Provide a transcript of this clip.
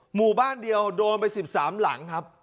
หมู่บ้านเดียวโดนไปสิบสามถึงหลังครับ